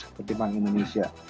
seperti bang indonesia